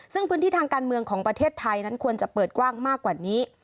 ซึ่งพื้นที่ทางการเมืองของประเทศไทยนั้นควรจะเปิดกว้างมากกว่านี้